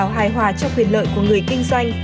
hài hòa cho quyền lợi của người kinh doanh